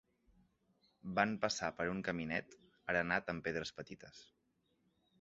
Van passar per un caminet, arenat amb pedres petites